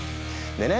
でね